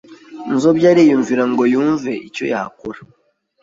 Nzobya ariyumvira, ngo yumve icyo yakora